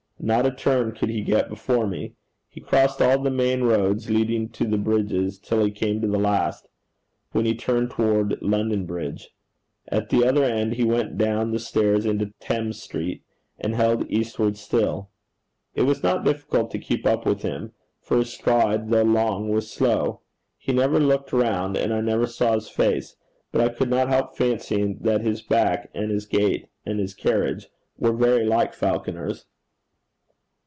Not a turn could he get before me. He crossed all the main roads leading to the bridges till he came to the last when he turned toward London Bridge. At the other end, he went down the stairs into Thames Street, and held eastward still. It was not difficult to keep up with him, for his stride though long was slow. He never looked round, and I never saw his face; but I could not help fancying that his back and his gait and his carriage were very like Falconer's.